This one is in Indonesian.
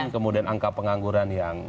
kemudian angka pengangguran yang